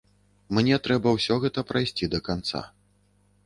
Мне трэба ўсё гэта прайсці да канца.